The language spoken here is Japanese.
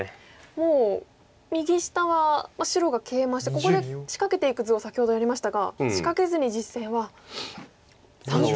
もう右下は白がケイマしてここで仕掛けていく図を先ほどやりましたが仕掛けずに実戦は三間に高く。